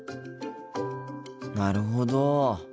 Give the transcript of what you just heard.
なるほど。